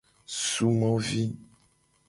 Sumovi.